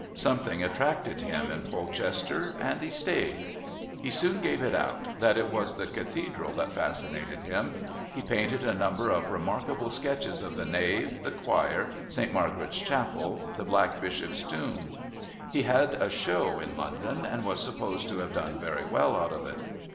Something attracted him in Polchester, and he stayed. He soon gave it out that it was the Cathedral that fascinated him; he painted a number of remarkable sketches of the nave, the choir, Saint Margaret's Chapel, the Black Bishop's Tomb. He had a "show" in London and was supposed to have done very well out of it.